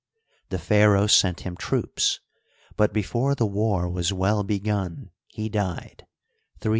The pharaoh sent him troops, but before the war was well begun he died (386 B.